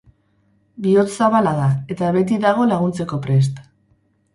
Bihotz zabala da, eta beti dago laguntzeko prest.